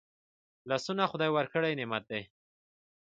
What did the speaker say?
لاسونه خدای ورکړي نعمت دی